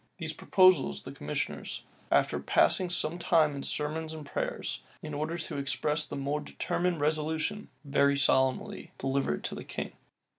These proposals the commissioners, after passing some time in sermons and prayers, in order to express the more determined resolution, very solemnly delivered to the king.